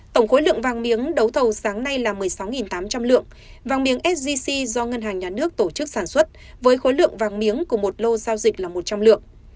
tổng khối lượng vàng miếng đấu thầu sáng nay là một mươi sáu tám trăm linh lượng vàng miếng sgc do ngân hàng nhà nước tổ chức sản xuất với khối lượng vàng miếng của một lô giao dịch là một trăm linh lượng